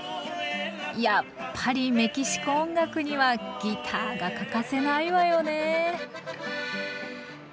やっぱりメキシコ音楽にはギターが欠かせないわよね。